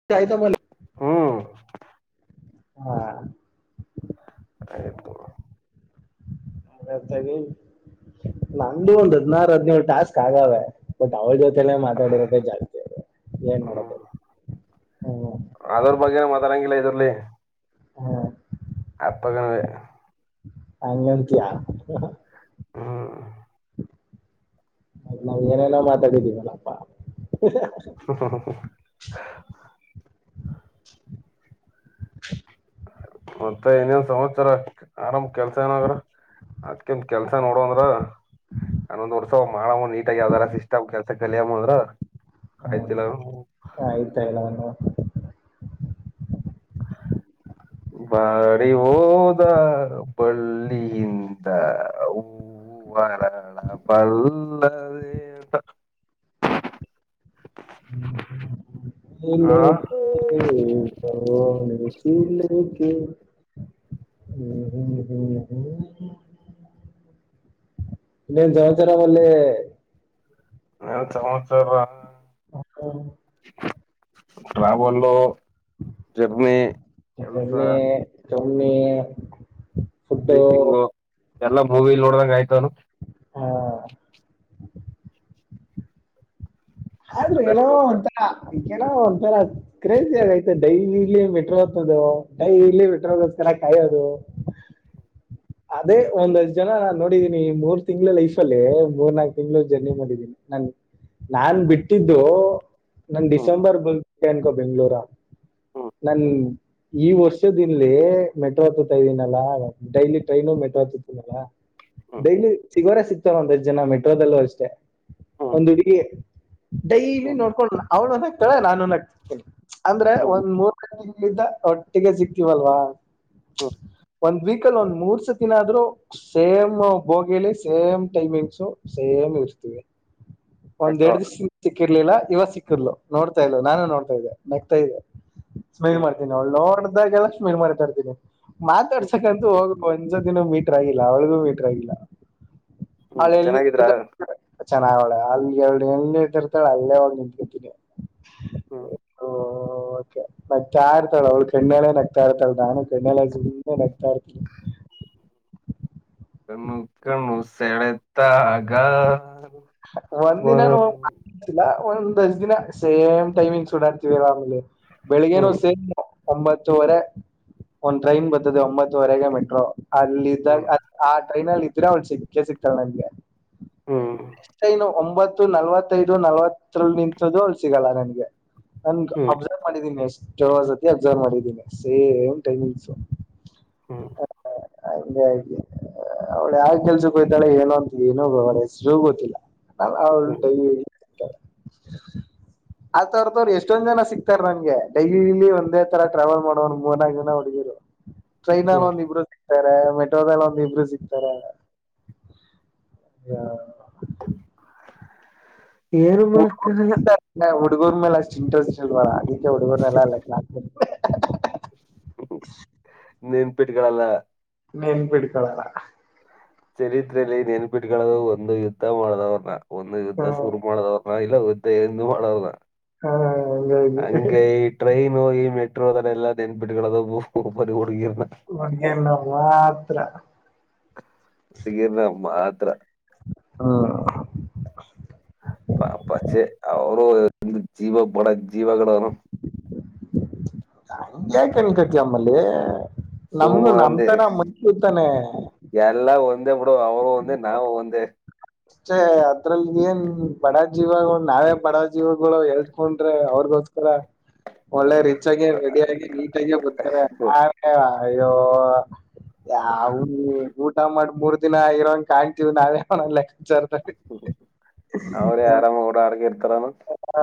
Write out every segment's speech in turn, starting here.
[unintelligible] ಹ್ಮ್ ಹಾ [inaudible] [unintelligible] ತ್ತಾಗಿ ನಂದು ಒಂದು ಹದ್ನಾರು ಹದ್ನೇಳು ಟಾಸ್ಕ್ ಆಗಾವೆ ಬಟ್ ಅವಳ್ ಜೊತೆನೇ ಮಾತಾಡಿರೋದೇ ಜಾಸ್ತಿ ಏನ್ ಹ್ಮ್ ಮಾಡದೆ ಹೂ ಅದ್ರ ಬಗ್ಗೆನ ಮಾತಾಡಂಗಿಲ್ಲ ಇದ್ರಲ್ಲಿ ಹೂ ಅಪ್ಪ ಹಾಂಗ್ ಅಂತೀಯ ಹೂ ನಾವ್ ಏನೇನೋ ಮಾತಾಡಿದೀವಲ್ಲಪ್ಪಾ ಹಾ ಹಾ ಹಾ ಹಾ [inaudible] ಮತ್ತ ಇನ್ನೇನ್ ಸಮಾಚಾರ ಆರಾಮ ಕೆಲ್ಸ ಏನಾಗ್ರ ಅದ್ಕಂತ ಕೆಲ್ಸ ನೋಡಂದ್ರ ನಾನೊಂದ್ ವರ್ಷ ಮಾಡವ ನೀಟಾಗಿ ಯಾವ್ದಾರ ಸಿಸ್ಟಮ್ ಕೆಲ್ಸ ಕಲಿಯಮ್ಮ ಅಂದ್ರ ಆಯ್ತಿಲ್ಲ ಹ ಆಯ್ತಾಯಲ್ಲ ನನು ಬಾಡಿ ಹೋದ ಬಳ್ಳಿ ಹಿಂದೆ ಿಂದ ಊ ವರಳ ಪಲ್ಲ ಏನ್ ಆ ಲೇ ಸಲ್ಲ ಹೂ ಹೂ ಹೂ ಹೂ ಇನ್ನೇನ್ ಜವಚರಾಮಲ್ಲಿ ಏನ್ ಸಮಾಚಾರ ಅಕ್ಕರು ಟ್ರಾವಲ್ ನೆನ್ನೆ ಟ್ರಾವೆಲ್ ಸ್ೀಪಿಂಗ್ ಎಲ್ಲಾ ಮೂವಿ ನೋಡಂಗ ಆಯ್ತ ಅವನು ಹಾ ಆದ್ರರು ಅಲ್ಲೇ ಏನೋ ಸ್ಟೋರ್ಸ್ ಒಂಥರ ಒಂಥರ ಕ್ರೇಜಿ ಆಗೈ್ತು ಡೈಲಿಲಿ ಮೆಟ್ರೋ ಅಂತದು ಡೈಲಿ ಮೆಟ್ರೋಗೋಸ್ಕರ ಕಾಯೋದು ಅದೇ ಒಂದ್ಜ್ ಜನ ನಾನ್ ನೋಡಿದೀನಿ ಮೂರ್ ತಿಂಗ್ಳ ಲೈಫಲ್ಲೇ ಮೂರ್ ನಾಕ್ ತಿಂಗ್ಗಳು ಜರ್ನಿ ಮಾಡಿದ್ದೀನಿ ನನ್ ನಾ ಬಿಟ್ಟಿದ್ದು ನನ್ ಹ್ಮ್ ಡಿಸೆಂಬರ್ ಮು ಅನ್ಕೋ ಬೆಂಗ್ಳೂರ ಹ್ಮ್ ನನ್ ಈ ವರ್ಷದ ಇಿಂದಲ್ಲಿ ಮೆಟ್ರೋ ಹತ್ತತಾ ಇದೀನಲ್ಲಾ ಡೈಲಿ ಟ್ರೈನು ಮೆಟ್ರೋ ಹತ್ತತನಲ್ಲ ಹ್ಮ್ ಡೈಲಿ ಸಿಗೋರೆ ಸಿಗ್ತಾರ ಒಂದ್ಷ್ಟ್ ಜನ ಮೆಟ್ರೋದಲ್ಲೂ ಅಷ್ಟೆ ಹ್ಮ್ ಒಂದು್ ಹಡುಗಿ ಡೈಲಿ ಹ್ಮ್ ನೋಡ್ಕೊಂಡ ಅವ್ಳುನ್ ಆಾಗ್ತಾಳ ನಾನು ನೇಗ್ತೀನಿ ಅಂದ್ರೆ ಹ್ಮ್ ಒಂದ್ ಮೂರ ತಿಂಗಳಿಂದ ಒಟ್ಟಿಗೆ ಸಿಕ್ತೀವಲ್ವಾ ಹ್ಮ್ ಒಂದ್ ವೀಕ್ ಒಂದ್ ವೀಕ್ ನಲ್ಲಿಮೂರ್ ಿನಾದ್ರೂ ಸೇಮ್ ಬೋಗಿಲಿ ಸೇಮ್ ಟೈಮಿಂಗ್ಸು ಸೇಮ್ ಇರ್ತೀವಿ ಮೆಟ್ರೋ ಒಂದೆರಡ್ ದಿವಸ ಸಿಕ್ಕಿರ್ಲಿಲ್ಲ ಇವಾಗ ಸಿಕ್ಕಿರ್ಲು ನೋಡ್ತಾ ಇಲ್ಲು ನಾನು ನೋಡ್ತಾ ಇದ್ದೆ ನೆಗ್ತಾ ಇದ್ದೆ ಸಮೈಲ್ ಹ್ಮ್ ಮಾಡ್ತೀನಿ ಅವಳ್ಳೋಡ್ದಾಗೆಲ್ಲ ಸ್ಮೈಲ್ ಮಾಡ್ತ ಇರ್ತೀನಿ ಹ್ಮ್ ಮಾತಾಡ್ಸಕಂತು ಹೋಗ ಒಂದಸೊ ದಿನ ಮೀಟ್ರ ಆಗಿಲ್ಲ ಅವಳಿಗೂ ಮೀಟ್ರ ಆಗಿಲ್ಲ ಹ್ಮ್ ಅವ್ಳ ಎಲ್ ಚೆನ್ನಾಗಿದ್ರ ಮೀಟ್ ಚನ್ನಗವಳೆ ಅಲ್ಲಿ ಎರಡು ಎನ್್ದರ್ತಾಳೆ ಅಲ್ಲೇ ಹೋಗಳಿ ನಿಂತಕತೀನಿ ಹೂ ಓ ೆ ನಗ್ತಾ ಇರ್ತಾಳ ಅವಳು ಕಣ್ಣೆಲೆ ನಗ್ತಾ ಇರ್ತಳ ನಾನು ಕಣ್ಣೆಲ್ಲ ಸುಮ್ಮ್ನೆ ನಗ್ತಾ ಇರ್ತಾ ಇರ್ನಿ ಕಣ್ಣು ಕಣ್ಣು ಸೆಳೆ ತಾಗ ಒಂದ್ ದಿನಿಲ್ಲ ಒಂದ್ ದಜ್ ದಿನ ಸೇಮ್ ಟೈಮಿಂಗ್ ಸೂಟ್ ಆಗ್ತಿರಲಿಲ್ಲ ಆಮೇಲೆ ಬೆಳಗ್ಗೆ ಹ್ಮ್ ಸೇ ಒಂಬತ್ತುವರೆ ಒಂದ ಟ್ರೈನ್ ಬರ್ತದೆ ಒಂಬತ್ತುವರೆಗೆ ಮೆಟ್ರೋ ಹ್ಮ್ ಅಲ್ಲಿಿದ್ದಾಗ ಆ ಟ್ರೈನ ಅಲ್ಲಿ ಇದ್ದೀರ ಒಂ ಸಿಕ್ಕೆ ಸಿಕ್ತಳೆ ನನ್ಗೆ ಹ್ಮ ಟ್ರೈನು ಒಂಬತ್ತು ನಲವತ್ತೈದು ನಲ್ವತ್ತರಲ್ಲಿ ನಿಂತ್ದು ಅ ಸಿಗಲ್ಲ ನನ್ಗೆ ನ ಹ್ಮ್ ಅ [unintelligible] ಮಾಡಿದ್ದೀನಿ ಎಷ್ಟತಿ ಅಬ್ಸರ್ವ್ ಮಾಡಿದ್ದೀನಿ ಸೇಮ್ ಟೈಮಿಂಗ್ಸು ಹ್ಮ ಹಾಗಗೆ ಹಾಗೆ ಅವ್ಳ ಯಾವ ಕೆಲ್ಸಕ್ಕೆ ಯ್ತಾಳೆ ಹೇಳಏ ಅಂತ ಏನೋ ಬ ಅವಳ ಹೆಸರುೂ ಗೊತ್ತಿಲ್ಲ ಹ [unintelligible] ಹ್ಮ್ ಅ್ವರ್ ತವ್ರು ಎಷ್ಟೊಂದ್ ಜನ ಸಿಕ್ತಾರ ನಂಗೆ ಡೈಲಿಲಿ ಒಂದೇ ತರ ಟ್ರಾವೆಲ್ ಮಾಡೋವ ಮೂರ್ನಾಕು ಜನ ಹುಡುಗಿರು ಟ್ರೈನ್ ನಲಿ ಹ್ಮ್ ಒಂದ ಇಬ್ರ [unintelligible] ತ ಮೆಟ್ರೋದೆಲ್ಲ ಒಂದ ಇಬ್ಬರು ಸಿಗ್ತಾರೆ ಅ ಮಾಡಕ್ಕಾಗಲ್ಲ ನಾ ಹುಡುಗರ್ ಮೇಲೆ ಅಷ್ಟ್ ಇಂಟ್ರೆಸ್ಟ್ ಇಲ್ವಲ್ಲ ಅದಕ್ಕೆ ಹುಡುಗುರ್ನೆಲ್ಲ ಅಲ್ಲಾ ನೆನ್ಪಿಟ್ಲ್ಲ ನೆನ್ ಬಿಡ್ಕೊಳಲ್ಲ ಚರಿತ್ರೆಯಲ್ಲಿ ನೆನ್ಪಿಟ್ಕೊಳ್ಳದು ಒಂದು ಯುದ್ಧ ಮಾಡದವ್ರ ಒಂದು ಯುದ್ಧ ಹ್ಮ್ ಸುರು ಮಾಡದ ಇಲ್ಲ ಗದ್ದ ಮಾಡನ ಹ್ಮ್ ಹಂಗಾಗಿ ಹಂಗೈ ಟ್ರೈನು ಈ ಮೆಟ್ರೋ ಅದದೆ ಎಲ್ಲ ನೆನ್ಪಿಟ್ಗಳದ ಬರಿ ಹುಡುಗಿರ್ನ ಮಡ್ಗ ನ ಮಾತ್ರ ಹುಡುಗಿನ ಮಾತ್ರ ಹಾ ಪಕ್ಷೆ ಅವರು ಎ ಜೀವ ಬಡ ಜೀವ ಕಡನ [unintelligible] ಹಗೆ ಯಾಕೆನ್ಕತಿ ಅಮ್ಮಲ್ಲಿ ನಮು ನಮ್ ಸುಮ್ಮನೆ ತರ ಮಂತಾನೆ ಎಲ್ಲಾ ಒಂದ ಬಿಡ ಅವರು ಒಂದ ನಾವವು ಒಂದೇ ಅೆ ಅದ್ರಲ್ಲಿ ಏನ್ ಬಡ ಜೀವಗಳು ನಾವೇ ಬಡ ಜೀವಗಳು ಹೇಳ್ಕೋಡ್ರೆ ಅವ್ರಗ [unintelligible] ಒಳ್ಳೆ ರಿಚ್ ಆಗಿ ರೆಡಿಯಾಗಿಿ ನೀಟಗಿಯ ಗತ್ತಾರೆ ಮ ಅಯ್ಯೋ ಅವ ಊಟ ಮಾಡಿ ಮೂರ್ ದಿನ ಇರಂಗ ಕಾಣ್ತಿವಿ ನಾವೇ ಅವ ಲೆಕ್ಕಾಚರ್ ಹ್ಮ ಅವ್ರ ಯಾರ ಓಡಾಡ್ಗ ಇರ್ತಾರಾನ ಹಾ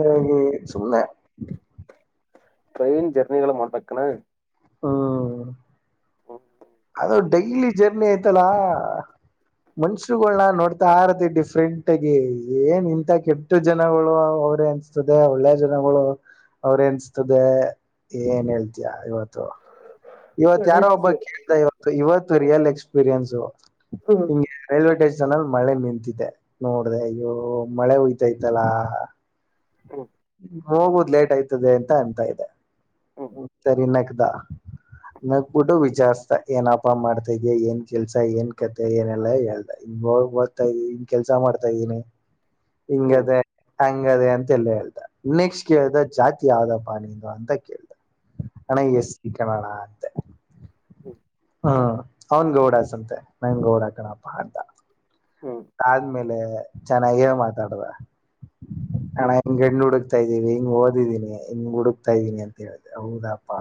ಅರಾಗಿ ಸುಮನೆ ಟ್ರೈನ್ ಜರ್ನಿಗಳು ಮ ಮಾಡ್ಬೇಕಕ್ಕಣ ಹಾ ಹ್ಮ ಅದು ಡೈಲಿ ಜರ್ನಿ ಆಯ್ತಲ್ಲಾ ಮನ್ಷರುಗಳನ್ನ ನೋಡ್ತಾಾರತಿ ಡಿಫ್ರೆಂಟ್ಗಿ ಏನ್ ಇಂಂತ ಕೆ ಎಷ್ಟು ಜನಗಳು ಅವರೇ ಅನ್ಸ್ತದೆ ಒಳ್ಳೆ ಜನಗಳು ಅವ್ರೇನ್ಸ್ತದೆ ಏನ್ ಹೇಳ್ತಯ ಇವತ್ತು ಇವತ್ ಯಾರೋ ಒಬ್ಬ ಕೇಳತಾ ಇವತ್ತು ಇವತ್ತು ರಿಯಲ್ ಎಕ್ಸ್ಪೀರಿಯನ್ಸ್ ಹೌದು ಹಿಂಗೆ ರೈಲ್ವೆ ಸ್ಟೇಷನ್ ಅಲ್ಲಿ ಮಳೆ ನಿಂತಿದೆ ನೋಡ್ರೆ ಇ್ಯ ಮಳೆ ಹಯ್ತೈತಲ್ಲಾ ಹ ಹೋಗುದು್ ಲೇಟ್ ಆಯ್ತದೆ ಅಂತ ಅನ್ಂತಾ ಇದೆ ಸರಿ ನಕ್ದ ನ ಕುೂಟು ವಿಚಾರಸ್ತ ಏನಪ ಮಾಡ್ತ ಏನ್ ಕೆಲ್ಸ ಏನ್ ಕತೆೆ ಏನೆಲ್ಲಾ ಹೇಳ್ದ ಇದ ಕೆಲ್ಸ ಮಾಡ್ತಾ ಇದ್ದೀನಿ ಹಿಂಗ ಅದೇ ಹಂಗ ಅದೇ ಅಂತ ಎಲ್ಲ ಹೇಳ್ತಿ ನೆಕ್ಸ್ಟ್ ಕೇಳ್ದ ಜಾತಿ ಯಾವ್ದಪ್ಪ ನಿಿಂದ ಅಂತ ಕೇಳ್ದ ಅಣ್ಣ ಎಸ್ ಸಿ ಕನ್ನೋಡ ಹ್ಮ ಹ್ಮ ಅವ್ನ್ ಗೌಡ ಸಂತೆ ನನ್ ಗೌಡ ಹಾಕಣಪ್ಪ ಅಂತ ಹ ಆದ್ಮೇಲೆ ಚೆನ್ನಾಗೇ ಮಾತಾಡದ ಹಣಂಗ ಗಂಡ ಹುಡುಕ್ ತಾ ಇದ್ದೀವಿ ಹಿಂಗ್ ಓದಿದ್ದೀನಿ ಹಿಂಗ್ ಹುಡುಕ್ತಾ ಇದ್ದೀನಿ ಅಂತ ಹೇಳ ಹೌದಾಪ್ಪಾ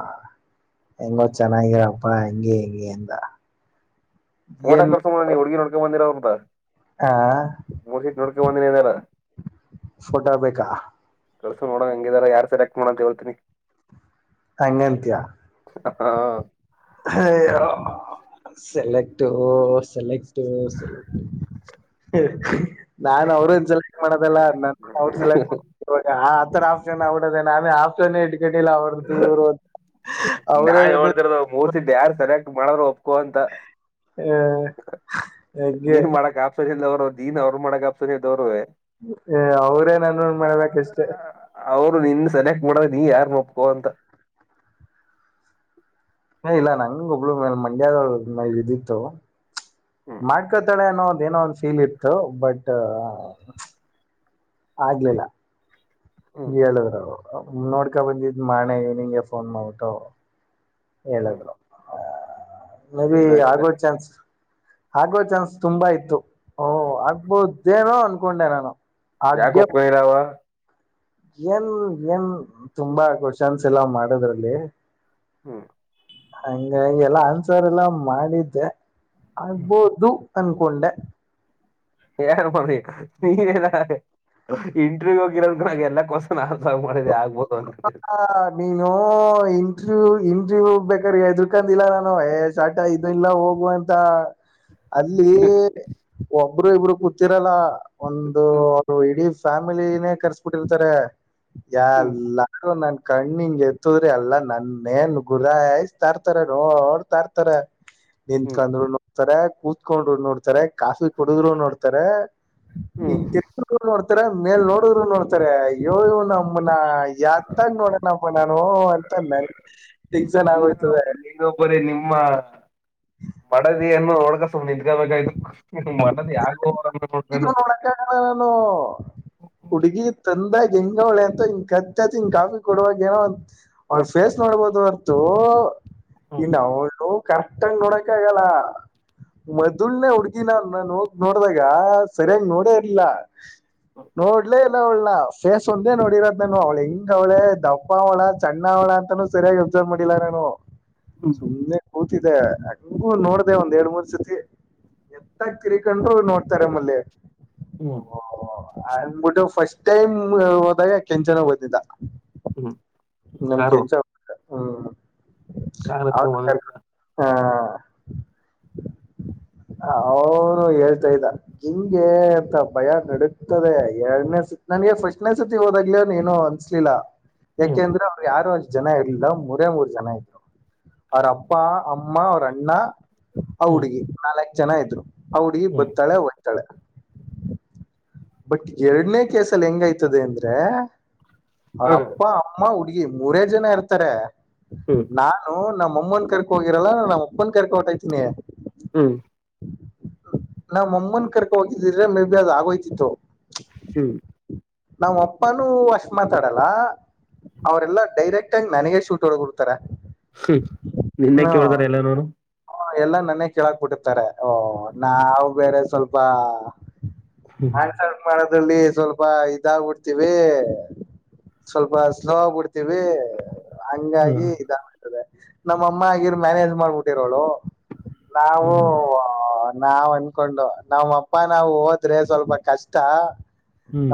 ಎಂಗೋ ಚೆನ್ನಾಗಿರಪ್ಪ ಹೆಂಗಗೆ ಹೆಂಗಗೆ ಅಂದ ೋಟ ಏನ್ ಕರ್ಸೋ ಮಾಡ ನೀ ಹುಗಿ ಹಡ್ಕೊಂಡ ಬಂದಿರೋ್ರ ಅಂತ ಹಾ ಮೂರ್ ಸೀಟ್ ನೋಡ್ಕೊಂಡ ಬಂದಿನಿ ಏನಾರ ಫೋಟಾ ಬೇಕಾ ಕಸ ನೋಡಂಗ ಹಂಗಿದಾರ ಯಾರ್ ಸೆಕ್ ಮಾಡ ಅಂತ ಹೇಳ್ತಿನಿ ಅಂಗಲ್ತ್ಯ ಹಾ ಹ ಸೆಲೆಕ್ಟ್ ಸೆಲೆಕ್ಟ್ ಸೆಲೆಕ್ ನಾನ್ ಅವ್ರರುನ್ ಸೆಲೆಕ್ಟ್ ಮಾಡೋದಲ್ಲ ನನ್ ಅವ್ರರು ಸೆಲೆಕ್ಟ್ ಇವಾಗ ಆ ರ ಆಫ್ಲೈನ್ ಆಡೋದೇನೆ ಆಮೇ ಆಫ್ಲೈನ್ ಇಕಟ್ಟಲ್ಲ ಆಡ್ತವಿ ಇವರು ನಾ ಹೇಳ್ತಿರದು ಮೂರ್ಸಟ್ ಯಾರು ಸೆಲೆಕ್ಟ್ ಮಾಡ್ರರು ಒಪ್ಕೋ ಅಂತ ಹ ಹಾಗಗೆೆ ಅಪ್ಸ ಇಲ್ಲ ಅವರು ದೀನ್ ಅವ್ರರು ಮಾಡಗ ಅಪ್ಸರ್ ಇದ ಅವ್ರುೇ ಏ ಅವ್ರೇ ನಾನ ಮಾಡ್ಬೇಕಷ್ಟೇ ಅವ್ರು ನಿನ್ ಸನಯಕ್ ಮಾಡೋದ ನೀ ಯಾರ್ ಮಪ್ಕೋ ಅಂತ ಹ ಇಲ್ಲ ನಂಗ ಒಬ್ಳು ಮೇಲೆ ಮಂಡ್ಯದ ಇದಿತ್ತು ಹ್ಮ್ ಚಕ್ಕ ತಡೆ ಅನ್ನೋದ ಏನೋ ಒ ಫೀಲ್ ಇತ್ತು ಬಟ್ ಆಗ್ಲಿಲ್ಲ ಹ್ಮ್ ಹೇಳುದ್ರ ನೋಡ್ಕಾ ಬಂದಿದ್ ಮಾಡಳೆನಿಂಗೆ ಫೋನ್ ಮಾಡ್ಬಟ ಹ್ಮ್ ಹೇಳಿದ್ರು ಮೇ ಬಿ ಇಲ್ಲ ಇಷ್ಟ ಆಗೋ ಚಾನ್ಸ್ ಆಗೋ ಚಾನ್ಸ್ ತುಂಬಾ ಇತ್ತು ಓಹ ಆಗ್ಬೋದೇನೋ ಅನ್ಕೊಂಡೆ ನಾನು ಾನ್ ಆಗೆ ಕೊಪ್ಪಲಾವ ಏನ್ ಏನ್ ತುಂಬಾ ಕ್ವಶನ್ಸ್ ಎಲ್ಲಾ ಮಾಡದ್ರಲ್ಲಿ ಹ್ಮ್ ಹಂಗ ಎಲ್ಲ ಆನ್ಸರ್ ಎಲ್ಲ ಮಾಡಿದ್ದೆ ಆಗ್ಬೋದು ಅನ್ಕೊಂಡೆ ಯಾರ ಮಾಡ ನೀಲ್ಲ ಇಂಟ್ರವ್ಯ್ ಹೋಗಿರೋದ ನಾಗ ಎಲ್ಲ ಕ್ವಶನ್ ಆನ್ಸರ್ ಮಾಡಿದೆ ಆಗ್ಬಹದು ಅ ನೀನು ಇಂಟ್ರ್ಯೂ ಇಂಟ್ರವ್ಯೂ ಬೇಕ್ರ ಎದರ್ಕೊಂಡಿಲ್ಲ ನಾನು ಸ್ಟಾರ್ಟ ಇ ಎಲ್ಲ ಹೋಗುವಂತ ಅಲ್ಲಿ ಒಬ್ಬರು ಇಬ್ರು ಕೂತಿರಲ್ಲ ಒಂದು ಇಡೀ ಫ್ಯಾಮಿಲಿನೇ ಕರ್ಸ್ಬಿಟ್ಟಿರ್ತಾರ ಯಾಲ್ ಹ್ಮ್ ಲ್ಲಾರು ನನ್ ಕಣ್ಣಿಂಗಗೆ ಎತ್ತರಿ ಅಲ್ಲಾ ನನ್ನೇನ್ ಗುರಾಯಸ್ ತರ್ತಾರ ನೋಡ್ ತರ್ತಾರ ಹ್ಮ್ ನಿಂತ್ಕೊಂಡ್ರು ನೋಡ್ತಾರೆ ಕೂತ್ಕೊಂಡ್ರು ನೋಡ್ತಾರೆ ಕಾಫಿ ಕುಡಿದ್ರು ನೋಡ್ತಾರೆ ಇ ಹ್ಮ್ ತಿ ನೋಡ್ತಾರೆ ಮೇಲ್ ನೋಡಿದ್ರು ನೋಡ್ತಾರೆ ಯ ನಮ್ಮ ಯಂದ ನೋಡಣಪ್ಪ ನಾನು ಅಂತಂದ ನನಗೆ ಎಕ್ಸನ್ ಆಗೋಯ್ತದೆ ಇನ್ನೊಬ್ಬರಿ ನಿಮ್ಮ ಮಡದಿಯನ್ನು ಒಡ್ಗಸ ನಿಿದ್ಕಬೇಕಾಯ್ತು ಮನ ಯ ಹೋ ಕೊಡ್ತು ೋ ಹುಡ್ಗಿ ತಂದಾಗ ಹೆಂಗ ಹೊಳೆ ಅಂತ ಹಿಂಗ ಕತ್ತತ್ತ ಹಿಂಗ್ ಕಾಫಿ ಕೊಡುವಾಗ ಏನೋ ಅವಳ ಫೇಸ್ ನೋಡ್ಬೋದು ಹೊರ್ತು ಹ್ಮ್ ಇನ್ನು ಅವಳು ಕರೆಕ್ಟ್ಂಗ್ ನೋಡಕ ಆಗಲ್ಲ ಮೊದಲ್ನೆೇ ಹುಡ್ಗಿನಲ್ ನಾ ನೋಡ್ದಾಗ ಸರಿಯಾಗಿ ನೋಡೇ ಇಲ್ಲ ನೋಡ್ಲೇ ಇ ಅವಳ ಫೇಸ್ ಒಂದೇ ನೋಡಿರೋದನು ಅವಳ ಹೆಿಂಗ ಅವಳೆ ದಪ್ಪ ಅವಳ ಚಣ್ಣ ಅವಳ ಅಂತಾನೂ ಸರಿಯಾಗಿ ಮಡಿಲಾರನೋ ಹ್ಮ್ ಸುಮ್ಮ್ನೆ ಕೂತಿದೆ ಹಂಗು ನೋಡಿದೆ ಒಂದ್ ಎರಡ್ ಮೂರ್ ಸತಿ ಎತ್ತ ತಿರಿ ಕೊಂಡ ನೋಡ್ತಾರಮ್ಮಲ್ಲೆ ಹಓ ಅಂದ್ಬಿಟ್ಟು ಫಸ್ಟ್ ಟೈಮ್ ಹೋದಾಗ ಕೆಂಚನ ಓದಿದ್ದ ಹ್ಮ ನಮ್ ಕೆಂಸ ಕಾರ್ ಆ ಎತ್ಕೊಂಡ್ ಹ್ಮ್ ಹಾ ಅವರು ಹೇಳ್ತಾ ಇದ್ದ ಹಿಂಂಗಗೆ ಅಂತ ಭಯ ನಡತದೆ ಎರಡ್ನೇ ಸತಿ ನನ್ಗೆ ಫಸ್ಟ್ನೇ ಸತಿ ಹೋದಾಗ್ಲವ ನೀನು ಇಲೀಲ ಹ್ಮ ಅಂದ್ರ ಅವ್ರು ಯಾರು ಒಷ್ಟ್ ಜನ ಇರ್ಲಿಲ್ಲ ಮೂರೇ ಮೂರು ಜನ ಇದ್ರು ಅವ್ರ ಅಪ್ಪಾ ಅಮ್ಮ ಅವ್ರ ಅಣ್ಣ ಹ್ಮ್ ಹುಡ್ಗಿ ನಾಲ್ಕ್ ಜನ ಇದ್ರು ಅವುಡ್ಗಿ ಹ್ಮ್ ಬತಾಳೆ ಹೊಯ್ತಾಳೆ ಬಟ್ ಎರಡನೇ ಕೇಸಲ್ಲಿ ಹೆಂಗಯ್ತದೆ ಅಂದ್ರೆ ಅವ್ರ ಹ ಅಪ್ಪ ಅಮ್ಮ ಹುಡ್ಗಿ ಮೂರೇ ಜನ ಇರ್ತಾರೆ ಹ್ಮ್ ನಾನು ನಮ್ಮಮ್ಮನ್ ಕರ್ಕ ಹೋಗಿರಲ್ಲ ನಮ್ಮ ಅಪ್ಪನ್ ಕರ್ಕ ಹೊಟೈ್ತೀನಿ ಹ್ಮ್ ನಾವ ಮಮ್ಮನ್ ಕರ್ಕ ಹೋಗಿದಿದ್ರೆ ಮೇ ಬಿ ಅದ ಆಗೋಯ್ತಿತ್ತು ಹ್ಮ್ ನಾವ ಅಪ್ಪನುೂ ಅಷ್ಟ ಮಾತಾಡಲ್ಲ ಅವರೆಲ್ಲ ಡೈರೆಕ್ಟ್ ಗ್ ನನಗೆ ಶೂಟ್ ಒರ ಕೊಡ್ತಾರ ಹ್ಮ್ ನಿನ್ನೆ ಕೇೇಳತಾರ ಎಲ್ಲ ನೋನು ಹ ಎಲ್ಲ ನನ್ನೇ ಕೇಳಕ್ ಬಿಟ್ಟಿರ್ತಾರೆ ಓ ನಾವವು ಬೇರೆ ಸ್ವಲ್ಪ ಹ್ಮ್ ಆನ್ಸ ಮಾಡೋದಲ್ಲಿ ಸ್ವಲ್ಪ ಇದಾಗ್ಬಿಡ್ತೀವಿ ಸ್ವಲ್ಪ ಸ್ಲೋ ಆಗ್ಬಿಡ್ತ ಹಂಗಾಗಿ ಇದ ಅದೇ ನಮ್ಮ ಅಮ್ಮ ಆಗಿರ್ ಮ್ಯಾನೇಜ್ ಮಾಡ್ಬಿಟ್ಟಿರೋಳು ನಾವು ನಾವ್ ಅನ್ಕೊಂಡು ನಮ್ಮ್ ಅಪ್ಪ ನಾವು ಹೋದ್ರೆ ಸ್ವಲ್ಪ ಕಷ್ಟ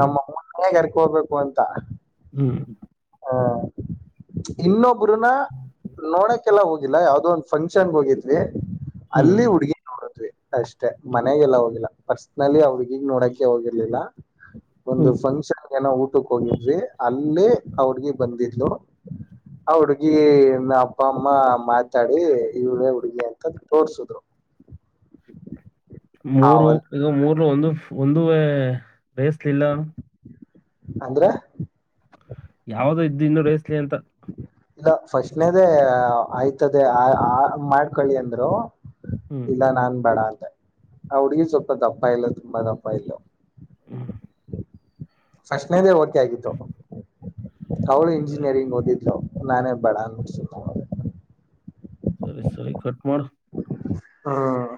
ನಮ್ಮ ಅಮ್ಮೇ ಕರ್ಕೋಬೇಕು ಅಂತ ಹ್ಮ್ ಹಾ ಇನ್ನೊಬ್ರನ ನೋಡಕ್ಕೆೆಲ್ಲ ಹೋಗಿಲ್ಲ ಯಾವ್ದೋ ಒಂದ್ ಫಂಕ್ಷನ್ ಹೋಗಿದ್ವಿ ಹ್ಮ್ ಅಲ್ಲಿ ಹುಡ್ಗಿಗ್ ನೋಡಿದ್ವಿ ಅಷ್ಟೆ ಮನೆಗೆಲ್ಲ ಹೋಗಲ್ಲ ಪರ್ಸನಲಿ ಆ ಹುಡ್ಗಿಗ್ ನೋಡಕ ಹೋಗಿರ್ಲಿಲ್ಲ ಒಂದು ಹ್ಮ್ ಫಂಕ್ಷನ್ ನ ಊಟಕ್ಕೆ ಹೋಗಿದ್ ಅಲ್ಲೇ ಆ ಹುಡುಗಿ ಬಂದಿದ್ಲು ಹ ಹಡುಗಿ ನ ಅಪ್ಪ ಅಮ್ಮ ಮಾತಾಡಿ ಇವಳೆ ಹುಡುಗಿ ಅಂತ ತೋರ್ಸಿದ್ರು ಮೂರು ಆವಲ್ ಈಗ ಮೂರ್ ಒಂದು ಒಂದ ಬೇಯಸ್ಲಿಲ್ಲ ಅಂದ್ರ ಯಾವ್ದೋ ಇದ್ದ ಇನ್ನು ರೇಸ್ಲಿ ಅಂತ [unintelligible] ಇಲ್ಲ ಫಸ್ಟ್ನೇದ ಆಯ್ತದೆ ಆ ಆ ಮಾಡ್ಕೊಳ್ಳಿ ಅಂದರು ಹ್ಮ್ ಇಲ್ಲ ನಾನ್ ಬೇಡ ಅಂತ ಹುಡ್ಗಿ ಸ್ವಲ್ಪ ದಪ್ಪ ಇದ್ಲು ತುಂಬಾ ದಪ್ಪ ಇದ್ಲು ಹ್ಮ್ ಫಸ್ಟ್ನೇದೇ ಓಕೆ ಆಗಿತ್ತು ಅವಳು ಸರಿ ಇಂಜಿನಿಯರಿಂಗ್ ಓದಿದ್ಳ ನಾನೇ ಬೇಡ ಅಂದುಸುಮ್ ಸರಿ ಸರಿ ಕಟ್ ಮಾಡೋ ಹಾ